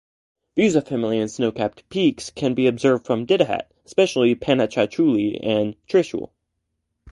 Views of Himalayan snow-capped peaks can be observed from Didihat, especially Panchachuli and Trishul.